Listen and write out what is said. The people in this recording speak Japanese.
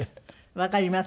わかります